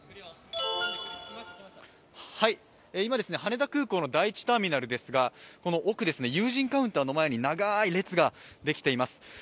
今、羽田空港の第１ターミナルですがこの奥ですね、有人カウンターの前に長い列ができています。